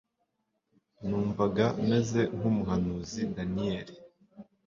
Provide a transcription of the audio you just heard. Numvaga meze nk'umuhanuzi Daniyeli